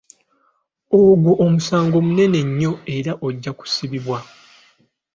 Ogwo omusango munene nnyo era ojja kusibibwa.